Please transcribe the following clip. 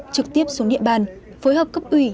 trực tiếp xuống địa bàn phối hợp cấp ủy